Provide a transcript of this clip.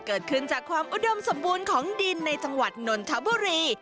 เกิดขึ้นจากความอุดมสมบูรณ์ของดินในจังหวัดนนทบุรี